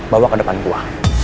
bawa ke depan gue